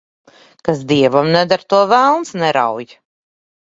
Kas dievam neder, to velns nerauj.